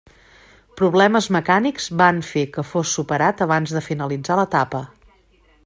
Problemes mecànics van fer que fos superat abans de finalitzar l'etapa.